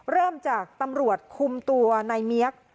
เริ่มจากตำรวจคุมตัวในเมียก